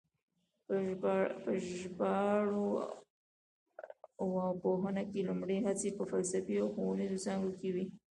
په ژبارواپوهنه کې لومړنۍ هڅې په فلسفي او ښوونیزو څانګو کې وې